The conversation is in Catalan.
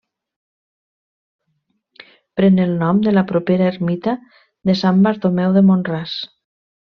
Pren el nom de la propera ermita de Sant Bartomeu de Mont-ras.